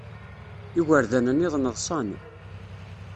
Igerdan-nniḍen ḍsan.